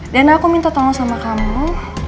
dan aku minta tolong sama kamu